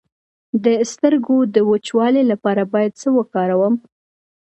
د سترګو د وچوالي لپاره باید څه وکاروم؟